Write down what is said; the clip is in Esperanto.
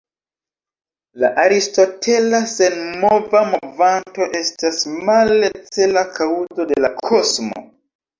La aristotela senmova movanto estas, male, cela kaŭzo de la kosmo.